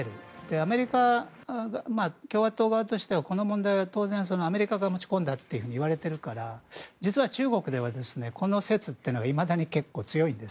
アメリカ共和党側としては当然アメリカが持ち込んだといわれているから実は中国ではこの説というのがいまだに結構強いんです。